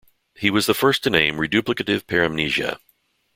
He was the first to name reduplicative paramnesia.